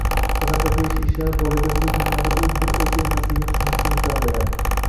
sadaqa berish ishlari bolaga bu dunyoda u bir o‘zi emasligini tushunishga imkon beradi.